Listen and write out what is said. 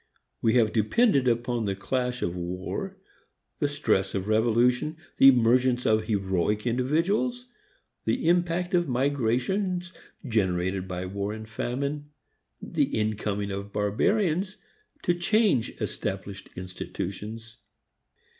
We have depended upon the clash of war, the stress of revolution, the emergence of heroic individuals, the impact of migrations generated by war and famine, the incoming of barbarians, to change established institutions.